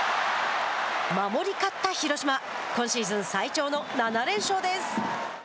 守り勝った広島今シーズン最長の７連勝です。